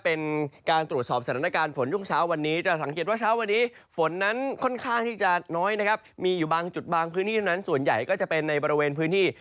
เป็นการตรวจสอบสถานการณ์ฝนช่วงเช้าวันนี้